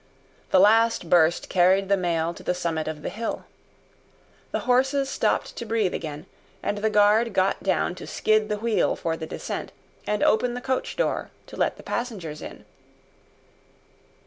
The last burst carried the mail to the summit of the hill. The horses stopped to breathe again, and the guard got down to skid the wheel for the descent, and open the coach door to let the passengers in.